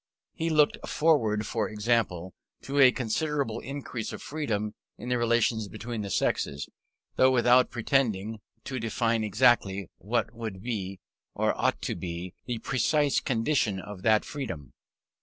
He looked forward, for example, to a considerable increase of freedom in the relations between the sexes, though without pretending to define exactly what would be, or ought to be, the precise conditions of that freedom.